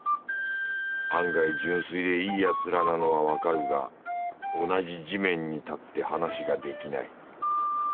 案外純粋でいいヤツらなのはわかるが同じ地面に立って話ができない。